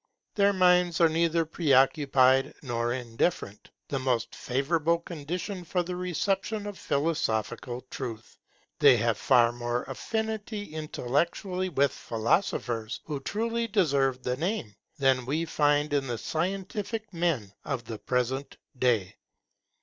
Their minds are neither preoccupied nor indifferent; the most favourable condition for the reception of philosophical truth. They have far more affinity intellectually with philosophers who truly deserve the name, than we find in the scientific men of the present day.